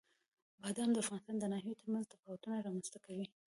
بادام د افغانستان د ناحیو ترمنځ تفاوتونه رامنځته کوي.